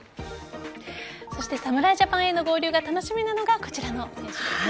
そして、侍ジャパンへの合流が楽しみなのがこちらの選手ですね。